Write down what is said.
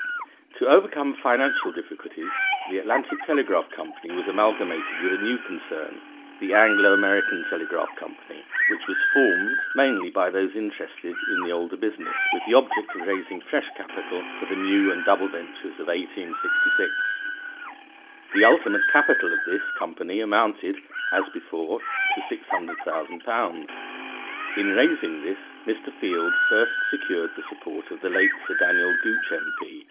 _ To overcome financial difficulties, the Atlantic Telegraph Company was amalgamated with a new concern, the Anglo American Telegraph Company, which was formed, mainly by those interested in the older business, with the object of raising fresh capital for the new and double ventures of 1866. The ultimate capital of this company amounted (as before) to £600,000. In raising this, Mr. Field first secured the support of the late Sir Daniel Gooch, M.P.